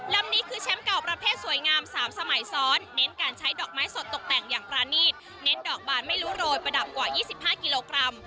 ลำนี้คือแชมป์เก่าประเภทสวยงาม๓สมัยซ้อนเน้นการใช้ดอกไม้สดตกแต่งอย่างปรานีตเน้นดอกบานไม่รู้โรยประดับกว่า๒๕กิโลกรัม